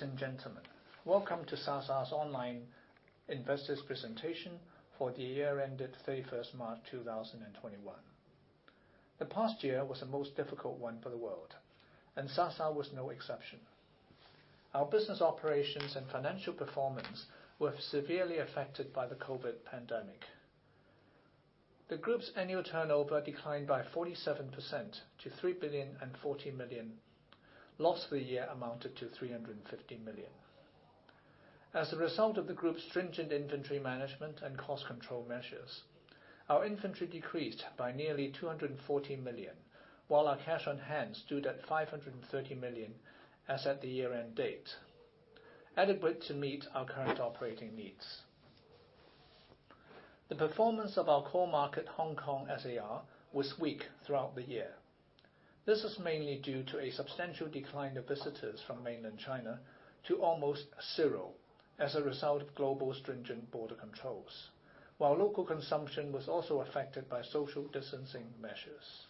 Ladies and gentlemen, welcome to Sa Sa's online investors presentation for the year ended 31st March 2021. The past year was the most difficult one for the world, and Sa Sa was no exception. Our business operations and financial performance were severely affected by the COVID pandemic. The group's annual turnover declined by 47% to 3.04 billion. Loss for the year amounted to 350 million. As a result of the group's stringent inventory management and cost control measures, our inventory decreased by nearly 240 million, while our cash on hand stood at 530 million as at the year-end date, adequate to meet our current operating needs. The performance of our core market, Hong Kong SAR, was weak throughout the year. This is mainly due to a substantial decline of visitors from mainland China to almost zero as a result of global stringent border controls, while local consumption was also affected by social distancing measures.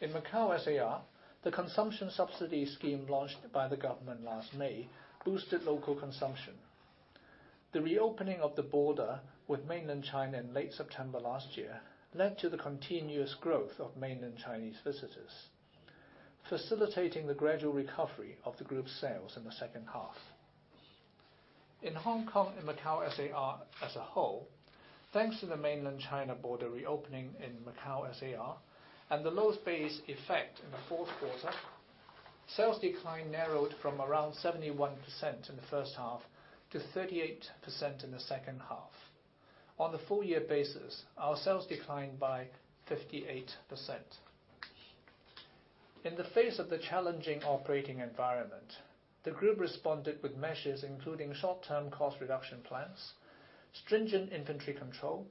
In Macao SAR, the consumption subsidy scheme launched by the government last May boosted local consumption. The reopening of the border with mainland China in late September last year led to the continuous growth of mainland Chinese visitors, facilitating the gradual recovery of the group's sales in the second half. In Hong Kong and Macao SAR as a whole, thanks to the mainland China border reopening in Macao SAR and the low base effect in the fourth quarter, sales decline narrowed from around 71% in the first half to 38% in the second half. On a full year basis, our sales declined by 58%. In the face of the challenging operating environment, the group responded with measures including short-term cost reduction plans, stringent inventory control,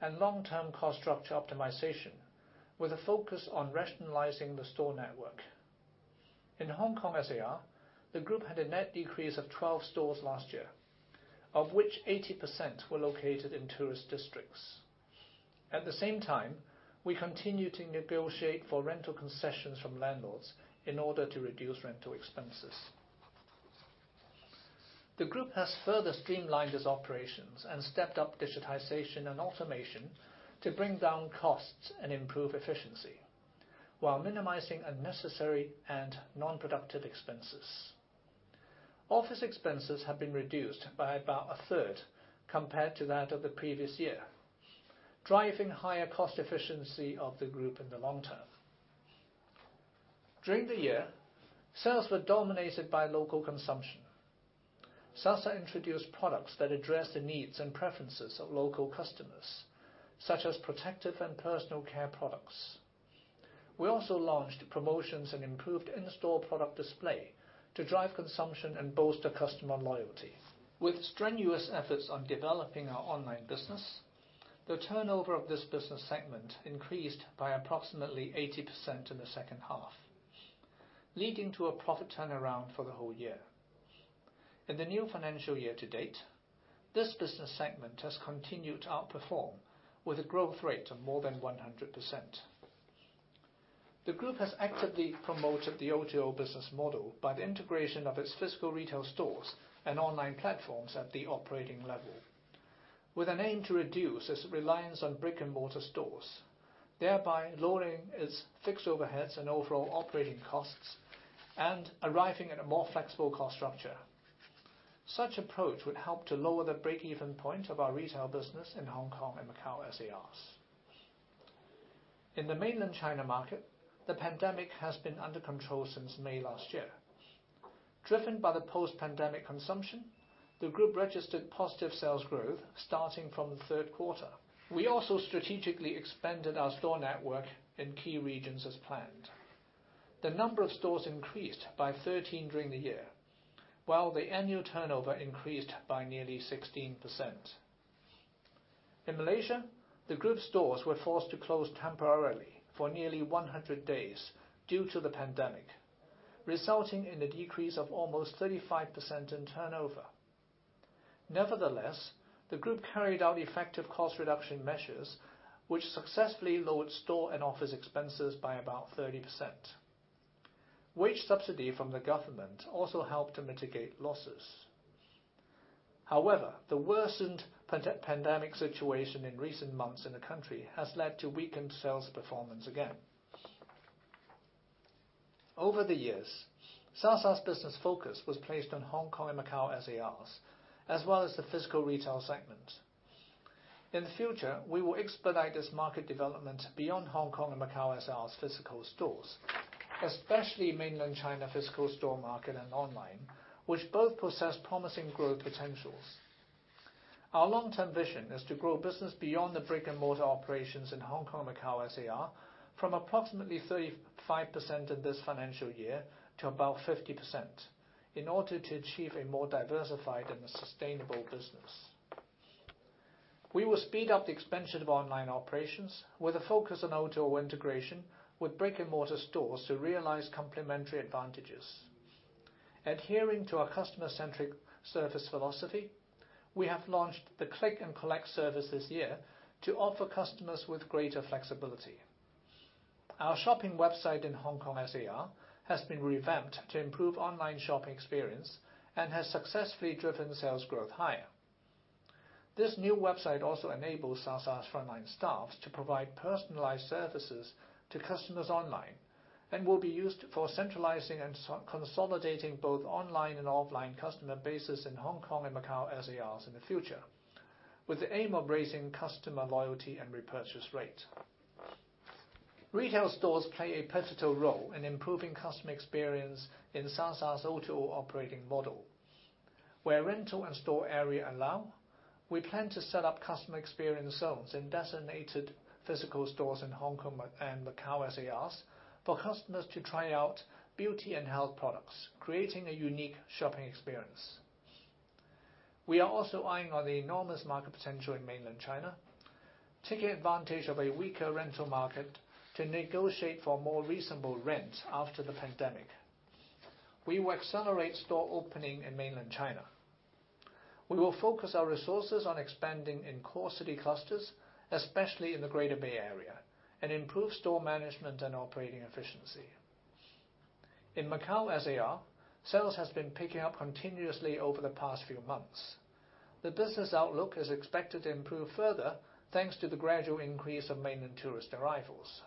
and long-term cost structure optimization with a focus on rationalizing the store network. In Hong Kong SAR, the group had a net decrease of 12 stores last year, of which 80% were located in tourist districts. At the same time, we continued to negotiate for rental concessions from landlords in order to reduce rental expenses. The group has further streamlined its operations and stepped up digitization and automation to bring down costs and improve efficiency while minimizing unnecessary and non-productive expenses. Office expenses have been reduced by about a third compared to that of the previous year, driving higher cost efficiency of the group in the long term. During the year, sales were dominated by local consumption. Sa Sa introduced products that address the needs and preferences of local customers, such as protective and personal care products. We also launched promotions and improved in-store product display to drive consumption and bolster customer loyalty. With strenuous efforts on developing our online business, the turnover of this business segment increased by approximately 80% in the second half, leading to a profit turnaround for the whole year. In the new financial year to date, this business segment has continued to outperform with a growth rate of more than 100%. The group has actively promoted the O2O business model by the integration of its physical retail stores and online platforms at the operating level with an aim to reduce its reliance on brick-and-mortar stores, thereby lowering its fixed overheads and overall operating costs and arriving at a more flexible cost structure. Such approach would help to lower the break-even point of our retail business in Hong Kong and Macao SARs. In the mainland China market, the pandemic has been under control since May last year. Driven by the post-pandemic consumption, the group registered positive sales growth starting from the third quarter. We also strategically expanded our store network in key regions as planned. The number of stores increased by 13 during the year, while the annual turnover increased by nearly 16%. In Malaysia, the group's stores were forced to close temporarily for nearly 100 days due to the pandemic, resulting in a decrease of almost 35% in turnover. Nevertheless, the group carried out effective cost reduction measures which successfully lowered store and office expenses by about 30%. Wage subsidy from the government also helped to mitigate losses. However, the worsened pandemic situation in recent months in the country has led to weakened sales performance again. Over the years, Sa Sa's business focus was placed on Hong Kong and Macao SARs, as well as the physical retail segment. In the future, we will expedite this market development beyond Hong Kong and Macao SAR's physical stores, especially mainland China physical store market and online, which both possess promising growth potentials. Our long-term vision is to grow business beyond the brick-and-mortar operations in Hong Kong and Macao SAR from approximately 35% in this financial year to about 50% in order to achieve a more diversified and sustainable business. We will speed up the expansion of online operations with a focus on O2O integration with brick-and-mortar stores to realize complementary advantages. Adhering to our customer-centric service philosophy, we have launched the Click and Collect service this year to offer customers with greater flexibility. Our shopping website in Hong Kong SAR has been revamped to improve online shopping experience and has successfully driven sales growth higher. This new website also enables Sa Sa's frontline staffs to provide personalized services to customers online, and will be used for centralizing and consolidating both online and offline customer bases in Hong Kong and Macau SAR in the future, with the aim of raising customer loyalty and repurchase rate. Retail stores play a pivotal role in improving customer experience in Sa Sa's O2O operating model. Where rental and store area allow, we plan to set up customer experience zones in designated physical stores in Hong Kong and Macau SAR for customers to try out beauty and health products, creating a unique shopping experience. We are also eyeing on the enormous market potential in mainland China. Taking advantage of a weaker rental market to negotiate for more reasonable rents after the pandemic. We will accelerate store opening in mainland China. We will focus our resources on expanding in core city clusters, especially in the Greater Bay Area, and improve store management and operating efficiency. In Macau SAR, sales has been picking up continuously over the past few months. The business outlook is expected to improve further, thanks to the gradual increase of mainland tourist arrivals.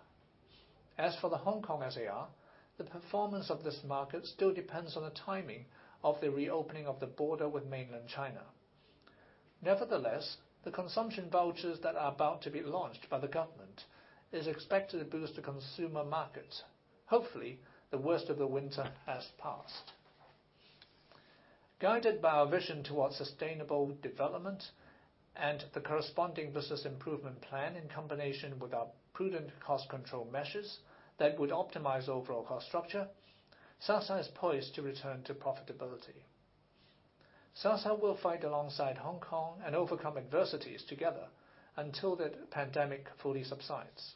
As for the Hong Kong SAR, the performance of this market still depends on the timing of the reopening of the border with mainland China. Nevertheless, the consumption vouchers that are about to be launched by the government is expected to boost the consumer market. Hopefully, the worst of the winter has passed. Guided by our vision towards sustainable development and the corresponding business improvement plan in combination with our prudent cost control measures that would optimize overall cost structure, Sa Sa is poised to return to profitability. Sa Sa will fight alongside Hong Kong and overcome adversities together until the pandemic fully subsides.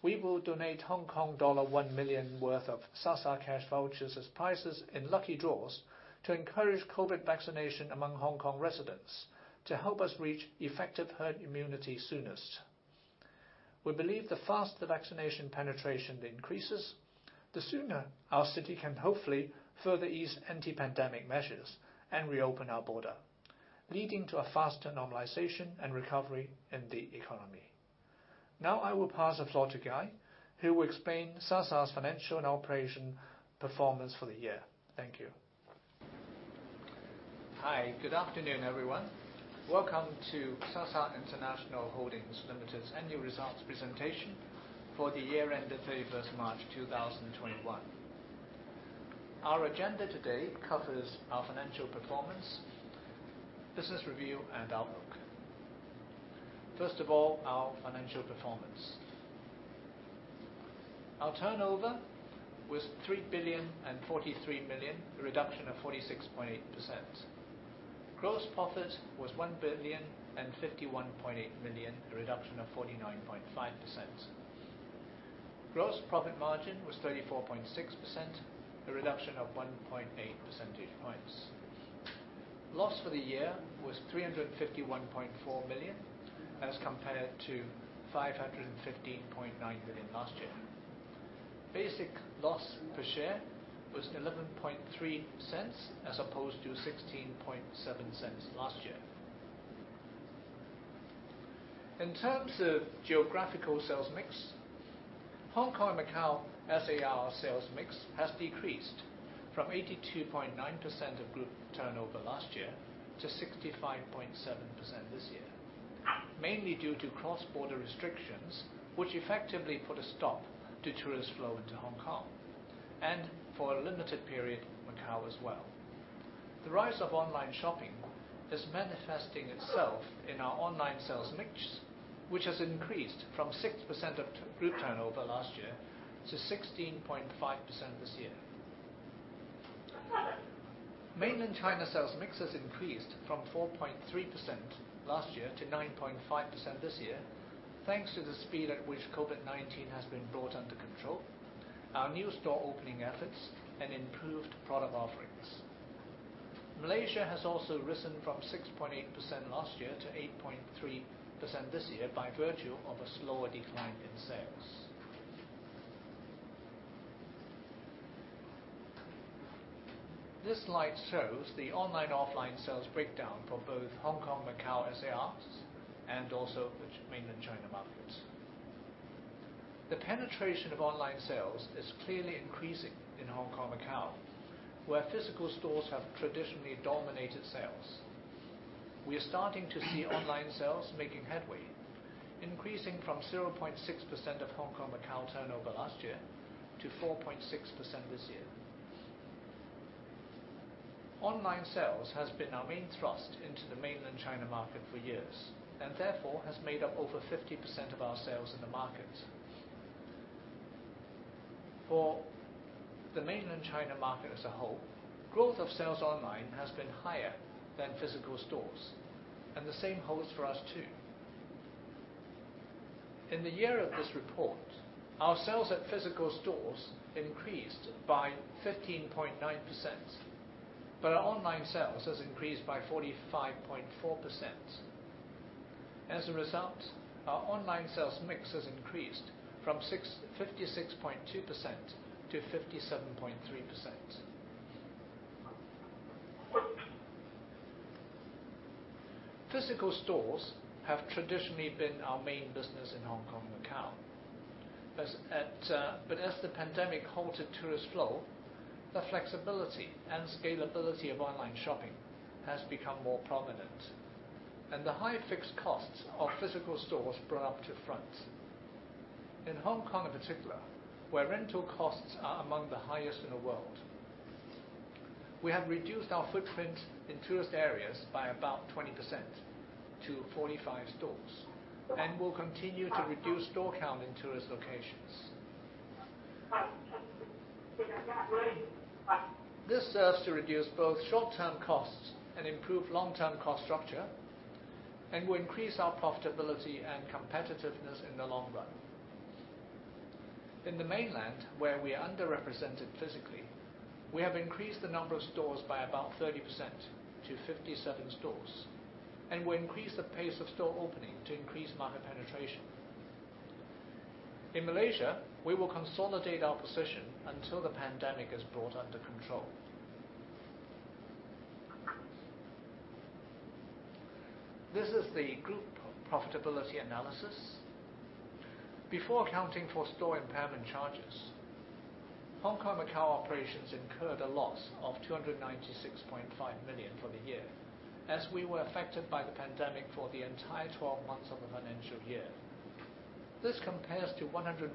We will donate Hong Kong dollar 1 million worth of Sa Sa cash vouchers as prizes in lucky draws to encourage COVID vaccination among Hong Kong residents to help us reach effective herd immunity soonest. We believe the faster vaccination penetration increases, the sooner our city can hopefully further ease anti-pandemic measures and reopen our border, leading to a faster normalization and recovery in the economy. Now, I will pass the floor to Guy, who will explain Sa Sa's financial and operation performance for the year. Thank you. Hi. Good afternoon, everyone. Welcome to Sa Sa International Holdings Limited's annual results presentation for the year-end of 31st March, 2021. Our agenda today covers our financial performance, business review, and outlook. First of all, our financial performance. Our turnover was 3,043 million, a reduction of 46.8%. Gross profit was 1,051.8 million, a reduction of 49.5%. Gross profit margin was 34.6%, a reduction of 1.8 percentage points. Loss for the year was 351.4 million as compared to 515.9 million last year. Basic loss per share was 0.113 as opposed to 0.167 last year. In terms of geographical sales mix, Hong Kong and Macau SAR sales mix has decreased from 82.9% of group turnover last year to 65.7% this year, mainly due to cross-border restrictions, which effectively put a stop to tourist flow into Hong Kong, and for a limited period, Macau as well. The rise of online shopping is manifesting itself in our online sales mix, which has increased from 6% of group turnover last year to 16.5% this year. Mainland China sales mix has increased from 4.3% last year to 9.5% this year, thanks to the speed at which COVID-19 has been brought under control, our new store opening efforts, and improved product offerings. Malaysia has also risen from 6.8% last year to 8.3% this year by virtue of a slower decline in sales. This slide shows the online/offline sales breakdown for both Hong Kong, Macau SAR, and also the mainland China markets. The penetration of online sales is clearly increasing in Hong Kong, Macau, where physical stores have traditionally dominated sales. We are starting to see online sales making headway, increasing from 0.6% of Hong Kong and Macau turnover last year to 4.6% this year. Online sales has been our main thrust into the mainland China market for years, and therefore, has made up over 50% of our sales in the market. For the mainland China market as a whole, growth of sales online has been higher than physical stores, and the same holds for us, too. In the year of this report, our sales at physical stores increased by 15.9%, but our online sales has increased by 45.4%. As a result, our online sales mix has increased from 56.2%-57.3%. Physical stores have traditionally been our main business in Hong Kong and Macao. As the pandemic halted tourist flow, the flexibility and scalability of online shopping has become more prominent, and the high fixed costs of physical stores brought to front. In Hong Kong, in particular, where rental costs are among the highest in the world, we have reduced our footprint in tourist areas by about 20% to 45 stores, and will continue to reduce store count in tourist locations. This serves to reduce both short-term costs and improve long-term cost structure, and will increase our profitability and competitiveness in the long run. In the Mainland, where we are underrepresented physically, we have increased the number of stores by about 30% to 57 stores, and will increase the pace of store opening to increase market penetration. In Malaysia, we will consolidate our position until the pandemic is brought under control. This is the group profitability analysis. Before accounting for store impairment charges, Hong Kong and Macao operations incurred a loss of 296.5 million for the year, as we were affected by the pandemic for the entire 12 months of the financial year. This compares to 148.2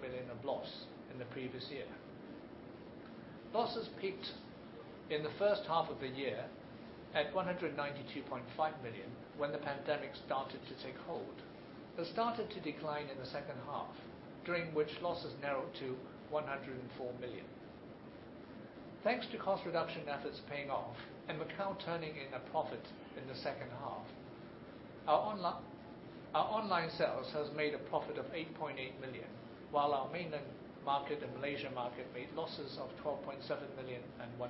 million of loss in the previous year. Losses peaked in the first half of the year at 192.5 million when the pandemic started to take hold, but started to decline in the second half, during which losses narrowed to 104 million. Thanks to cost reduction efforts paying off and Macao turning in a profit in the second half, our online sales has made a profit of 8.8 million, while our Mainland market and Malaysia market made losses of 12.7 million and 1.2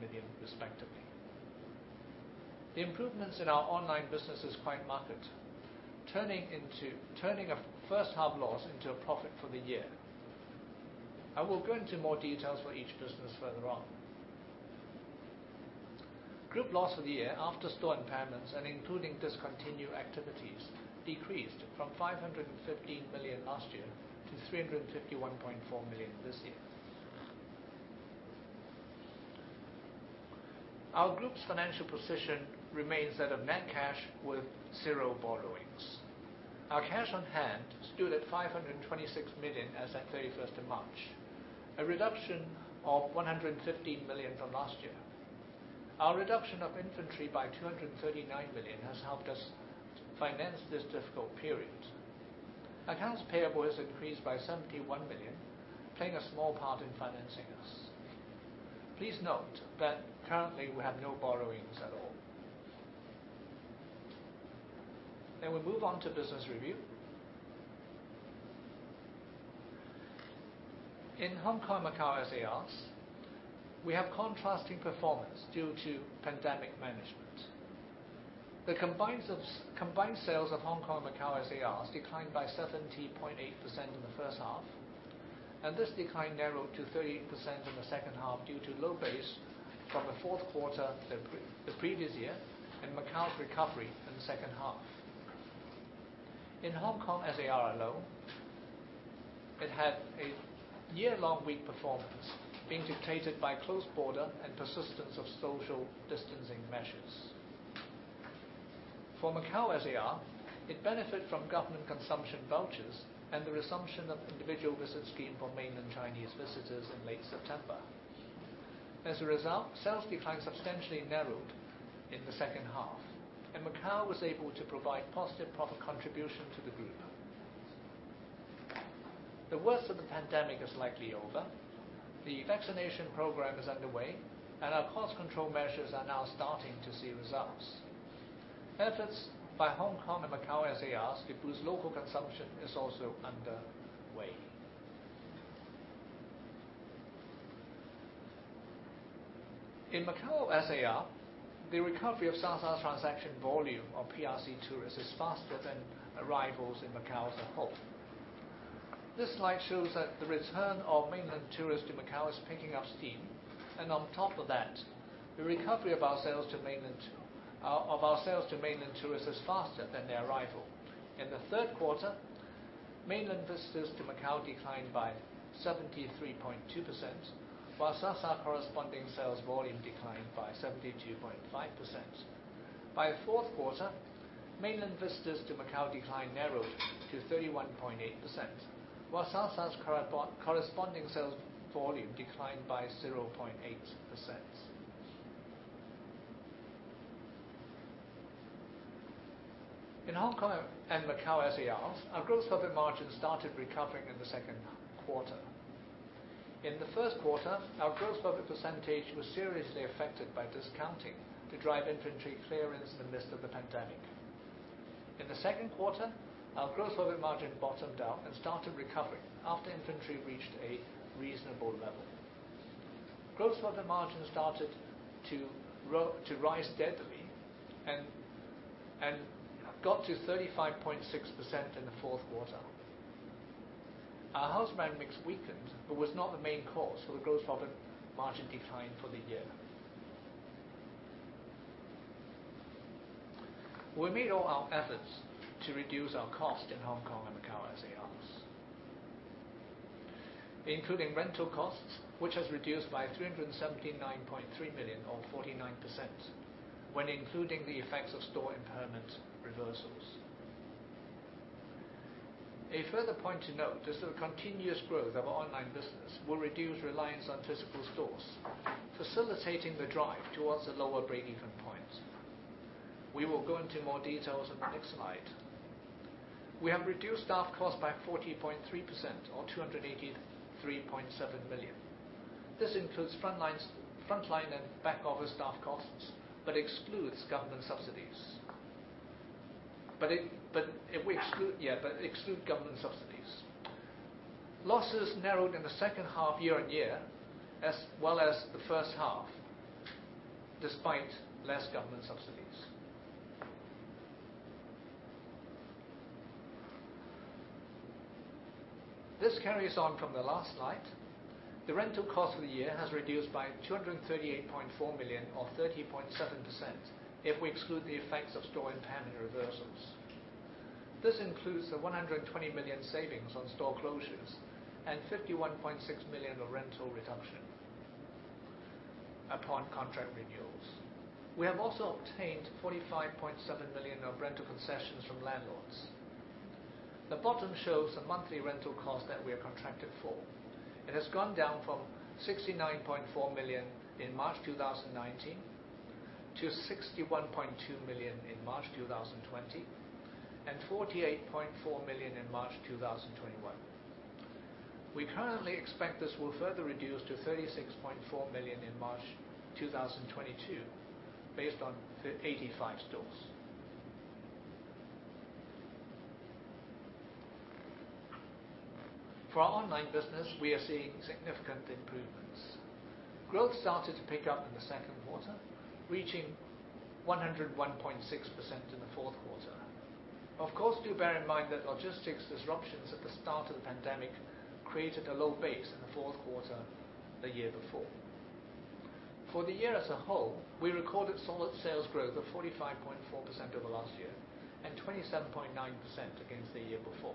million respectively. The improvements in our online business is quite marked, turning a first half loss into a profit for the year. I will go into more details for each business further on. Group loss for the year after store impairments and including discontinued activities decreased from 515 million last year to 351.4 million this year. Our group's financial position remains that of net cash with zero borrowings. Our cash on hand stood at 526 million as at 31st of March, a reduction of 115 million from last year. Our reduction of inventory by 239 million has helped us finance this difficult period. Accounts payable has increased by 71 million, playing a small part in financing us. Please note that currently we have no borrowings at all. We move on to business review. In Hong Kong and Macao SARs, we have contrasting performance due to pandemic management. The combined sales of Hong Kong and Macao SARs declined by 70.8% in the first half, and this decline narrowed to 38% in the second half due to low base from the fourth quarter the previous year and Macao's recovery in the second half. In Hong Kong SAR alone, it had a year-long weak performance, being dictated by closed border and persistence of social distancing measures. For Macao SAR, it benefited from government consumption vouchers and the resumption of Individual Visit Scheme for Mainland Chinese visitors in late September. As a result, sales decline substantially narrowed in the second half, and Macao was able to provide positive profit contribution to the group. The worst of the pandemic is likely over. The vaccination program is underway, and our cost control measures are now starting to see results. Efforts by Hong Kong and Macao SARs to boost local consumption is also underway. In Macao SAR, the recovery of Sa Sa's transaction volume of PRC tourists is faster than arrivals in Macao as a whole. This slide shows that the return of Mainland tourists to Macao is picking up steam, and on top of that, the recovery of our sales to Mainland tourists is faster than their arrival. In the third quarter, Mainland visitors to Macao declined by 73.2%, while Sa Sa corresponding sales volume declined by 72.5%. By the fourth quarter, Mainland visitors to Macao decline narrowed to 31.8%, while Sa Sa's corresponding sales volume declined by 0.8%. In Hong Kong and Macao SARs, our gross profit margin started recovering in the second quarter. In the first quarter, our gross profit percentage was seriously affected by discounting to drive inventory clearance in the midst of the pandemic. In the second quarter, our gross profit margin bottomed out and started recovering after inventory reached a reasonable level. Gross profit margin started to rise steadily and got to 35.6% in the fourth quarter. Our house brand mix weakened but was not the main cause for the gross profit margin decline for the year. We made all our efforts to reduce our cost in Hong Kong and Macau Sa Sa, including rental costs, which has reduced by 379.3 million or 49% when including the effects of store impairment reversals. A further point to note is the continuous growth of online business will reduce reliance on physical stores, facilitating the drive towards a lower break-even point. We will go into more details on the next slide. We have reduced our costs by 40.3% or 283.7 million. This includes frontline and back-office staff costs, but excludes government subsidies. Losses narrowed in the second half year-over-year, as well as the first half, despite less government subsidies. This carries on from the last slide. The rental cost of the year has reduced by 238.4 million or 30.7% if we exclude the effects of store impairment reversals. This includes the 120 million savings on store closures and 51.6 million of rental reduction upon contract renewals. We have also obtained 45.7 million of rental concessions from landlords. The bottom shows the monthly rental cost that we are contracted for. It has gone down from 69.4 million in March 2019 to 61.2 million in March 2020 and 48.4 million in March 2021. We currently expect this will further reduce to 36.4 million in March 2022 based on 85 stores. For our online business, we are seeing significant improvements. Growth started to pick up in the second quarter, reaching 101.6% in the fourth quarter. Of course, do bear in mind that logistics disruptions at the start of the pandemic created a low base in the fourth quarter a year before. For the year as a whole, we recorded solid sales growth of 45.4% over last year and 27.9% against the year before.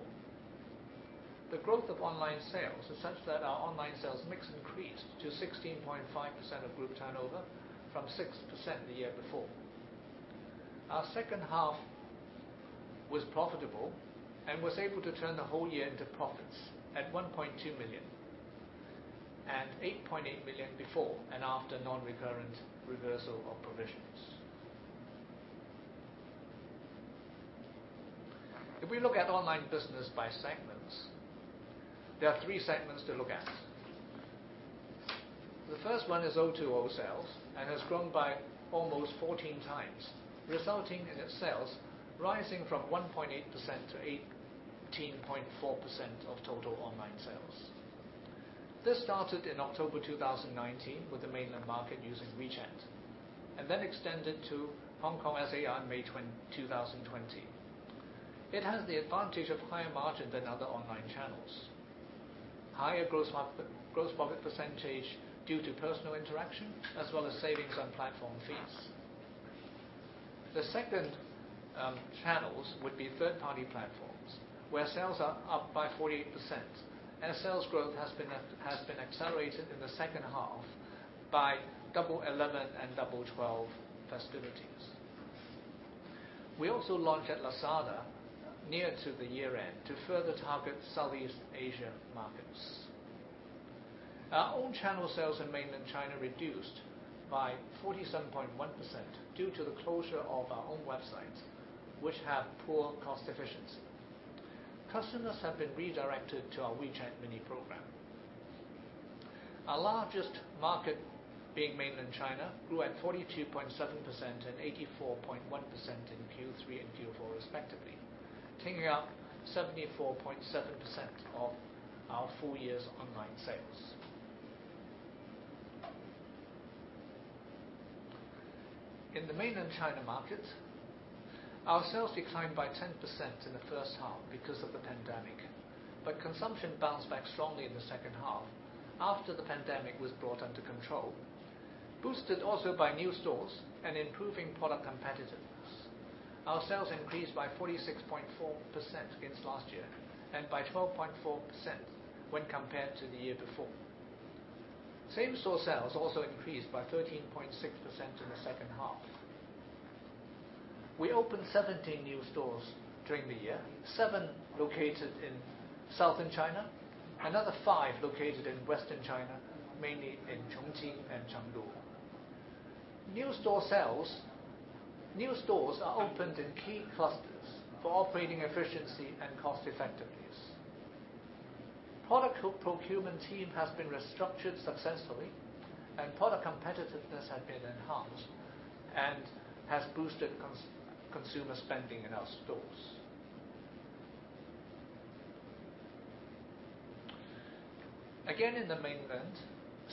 The growth of online sales is such that our online sales mix increased to 16.5% of group turnover from 6% the year before. Our second half was profitable and was able to turn the whole year into profits at 1.2 million and 8.8 million before and after non-recurrent reversal of provisions. If we look at online business by segments, we have three segments to look at. The first one is O2O sales and has grown by almost 14 times, resulting in its sales rising from 1.8%-18.4% of total online sales. This started in October 2019 with the Mainland market using WeChat and then extended to Hong Kong Sa Sa in May 2020. It has the advantage of higher margin than other online channels. Higher gross profit percentage due to personal interaction as well as savings on platform fees. The second channels would be third-party platforms, where sales are up by 48% and sales growth has been accelerated in the second half by Double 11 and Double 12 festivities. We also launched at Lazada near to the year-end to further target Southeast Asia markets. Our own channel sales in Mainland China reduced by 47.1% due to the closure of our own websites, which have poor cost efficiency. Customers have been redirected to our WeChat mini program. Our largest market being Mainland China grew at 42.7% and 84.1% in Q3 and Q4 respectively, taking up 74.7% of our full year's online sales. In the Mainland China market, our sales declined by 10% in the first half because of the pandemic, but consumption bounced back strongly in the second half after the pandemic was brought under control. Boosted also by new stores and improving product competitiveness, our sales increased by 46.4% against last year and by 12.4% when compared to the year before. Same-store sales also increased by 13.6% in the second half. We opened 17 new stores during the year, seven located in Southern China, another five located in Western China, mainly in Chongqing and Chengdu. New stores are opened in key clusters for operating efficiency and cost-effectiveness. Product procurement team has been restructured successfully, and product competitiveness has been enhanced and has boosted consumer spending in our stores. Again in the mainland,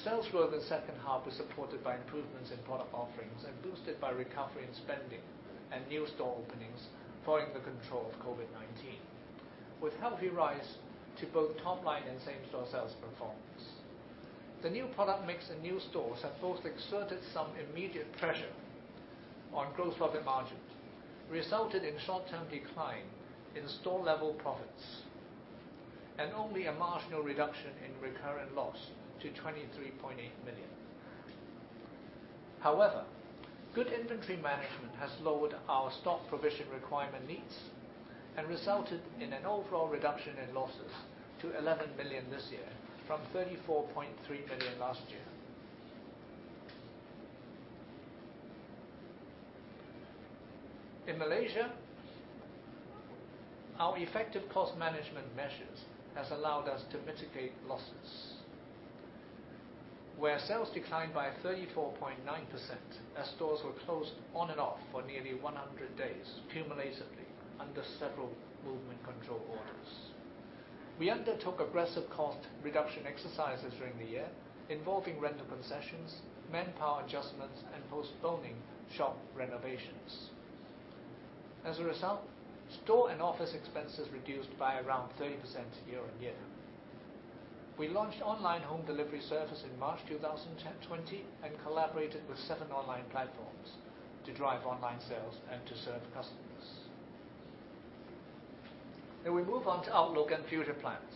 sales growth in the second half was supported by improvements in product offerings and boosted by recovery in spending and new store openings following the control of COVID-19, with healthy rise to both top-line and same-store sales performance. The new product mix and new stores have both exerted some immediate pressure on gross profit margins, resulted in short-term decline in store-level profits, and only a marginal reduction in recurrent loss to 23.8 million. Good inventory management has lowered our stock provision requirement needs and resulted in an overall reduction in losses to 11 million this year from 34.3 million last year. In Malaysia, our effective cost management measures has allowed us to mitigate losses, where sales declined by 34.9% as stores were closed on and off for nearly 100 days cumulatively under several movement control orders. We undertook aggressive cost reduction exercises during the year, involving rental concessions, manpower adjustments, and postponing shop renovations. As a result, store and office expenses reduced by around 30% year-on-year. We launched online home delivery service in March 2020 and collaborated with seven online platforms to drive online sales and to serve customers. Now we move on to outlook and future plans.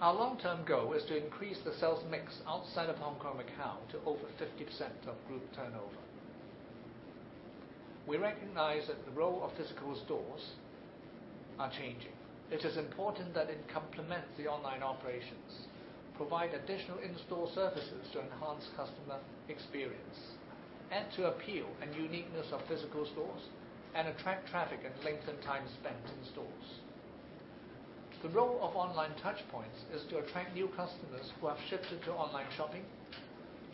Our long-term goal is to increase the sales mix outside of Hong Kong and Macau to over 50% of group turnover. We recognize that the role of physical stores are changing. It is important that it complement the online operations, provide additional in-store services to enhance customer experience, add to appeal and uniqueness of physical stores, and attract traffic and lengthen time spent in stores. The role of online touchpoints is to attract new customers who have shifted to online shopping,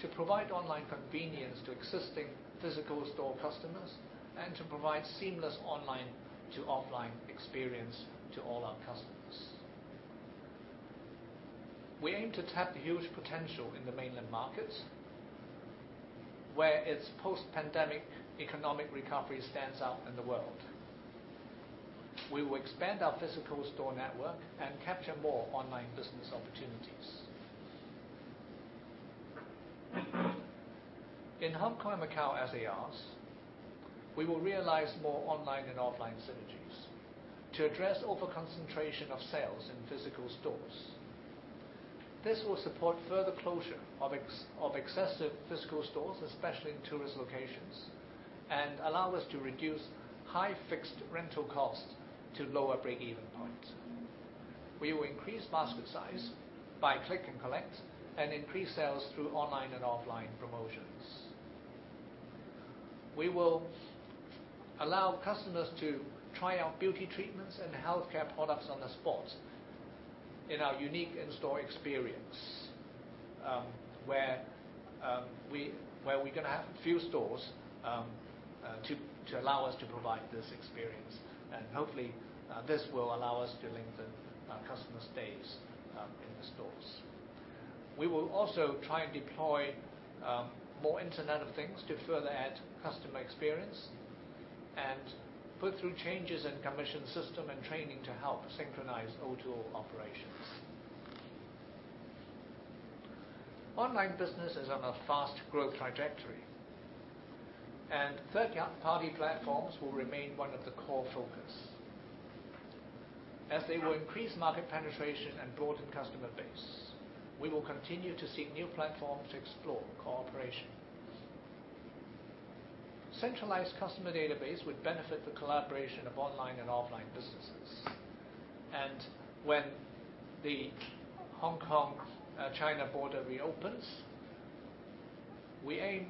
to provide online convenience to existing physical store customers, and to provide seamless online to offline experience to all our customers. We aim to tap the huge potential in the mainland markets, where its post-pandemic economic recovery stands out in the world. We will expand our physical store network and capture more online business opportunities. In Hong Kong and Macau Sa Sa, we will realize more online and offline synergies to address over-concentration of sales in physical stores. This will support further closure of excessive physical stores, especially in tourist locations, and allow us to reduce high fixed rental costs to lower break-even points. We will increase basket size by Click and Collect and increase sales through online and offline promotions. We will allow customers to try out beauty treatments and healthcare products on the spot in our unique in-store experience, where we're going to have a few stores to allow us to provide this experience. Hopefully, this will allow us to lengthen our customer stays in the stores. We will also try and deploy more Internet of Things to further add customer experience and put through changes in commission system and training to help synchronize O2O operations. Online business is on a fast growth trajectory. Third-party platforms will remain one of the core focus. As they will increase market penetration and broaden customer base, we will continue to seek new platforms to explore cooperation. Centralized customer database would benefit the collaboration of online and offline businesses. When the Hong Kong-China border reopens, we aim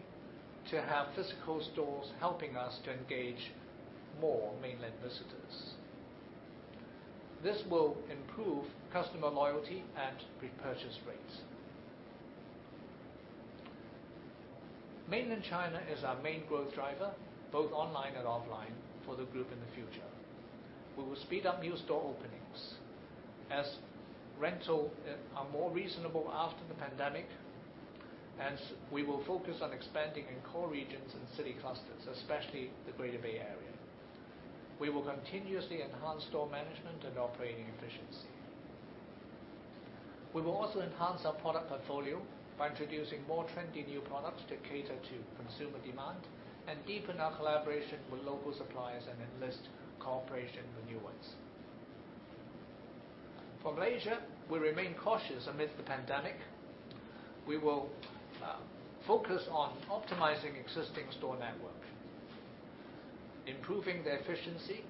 to have physical stores helping us to engage more mainland visitors. This will improve customer loyalty and repurchase rates. Mainland China is our main growth driver, both online and offline, for the group in the future. We will speed up new store openings as rental are more reasonable after the pandemic, and we will focus on expanding in core regions and city clusters, especially the Greater Bay Area. We will continuously enhance store management and operating efficiency. We will also enhance our product portfolio by introducing more trendy new products to cater to consumer demand and deepen our collaboration with local suppliers and enlist cooperation with new ones. For Malaysia, we remain cautious amidst the pandemic. We will focus on optimizing existing store network, improving the efficiency,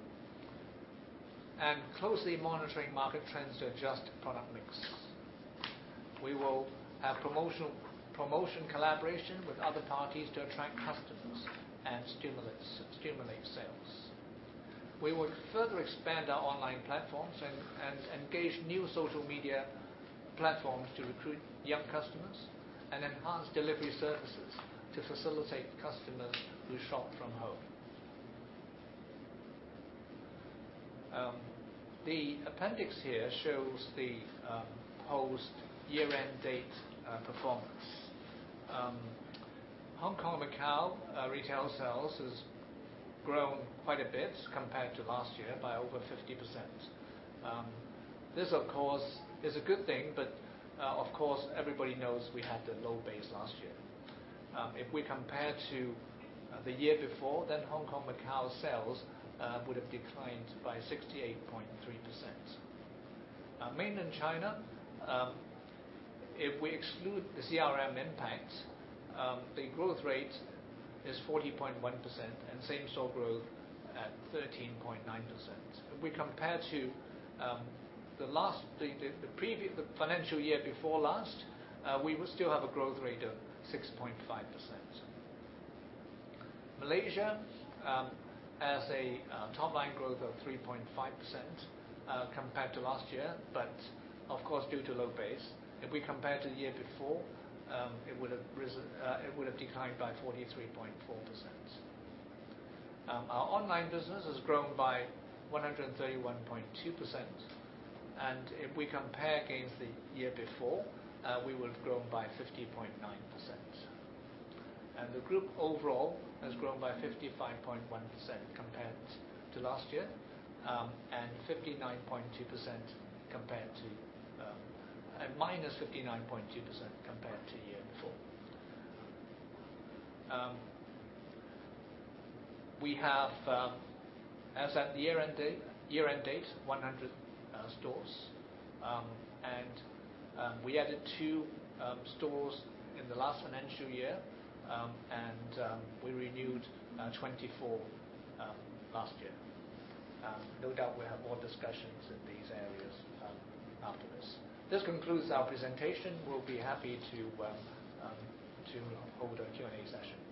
and closely monitoring market trends to adjust product mix. We will have promotion collaboration with other parties to attract customers and stimulate sales. We will further expand our online platforms and engage new social media platforms to recruit young customers and enhance delivery services to facilitate customers who shop from home. The appendix here shows the post-year-end date performance. Hong Kong and Macau retail sales has grown quite a bit compared to last year, by over 50%. This, of course, is a good thing. Of course, everybody knows we had a low base last year. If we compare to the year before, Hong Kong and Macau sales would have declined by 68.3%. Mainland China, if we exclude the CRM impact, the growth rate is 40.1% and same-store growth at 13.9%. If we compare to the financial year before last, we would still have a growth rate of 6.5%. Malaysia has a top-line growth of 3.5% compared to last year, but of course due to low base. If we compare to the year before, it would have declined by 43.4%. Our online business has grown by 131.2%. If we compare against the year before, we would have grown by 50.9%. The group overall has grown by 55.1% compared to last year, and -59.2% compared to year before. We have, as at the year-end date, 100 stores. We added 2 stores in the last financial year, and we renewed 24 last year. No doubt we'll have more discussions in these areas after this. This concludes our presentation. We'll be happy to hold a Q&A session. Thank you.